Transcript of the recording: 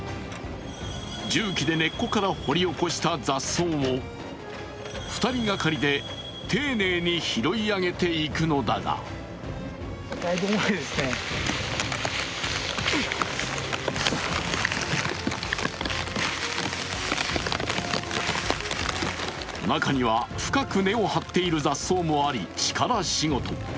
重機で根っこから掘り起こした雑草を２人がかりで、丁寧に拾い上げていくのだが中には深く根を張っている雑草もあり、力仕事。